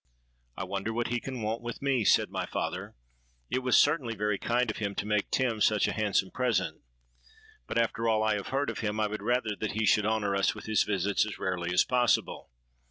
'I wonder what he can want with me?' said my father: 'it was certainly very kind of him to make Tim such a handsome present; but after all I have heard of him, I would rather that he should honour us with his visits as rarely as possible.